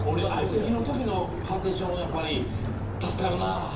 相席のときのパーテーション助かるな。